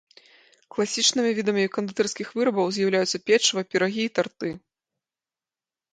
Класічнымі відамі кандытарскіх вырабаў з'яўляюцца печыва, пірагі і тарты.